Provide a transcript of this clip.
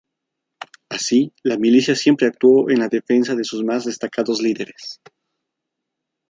Así, la Milicia siempre actuó en defensa de sus más destacados líderes.